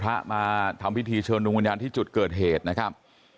พระมาทำพิธีเชิญดวงวิญญาณที่จุดเกิดเหตุนะครับ